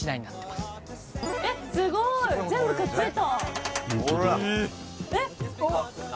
すごーい全部くっついたあ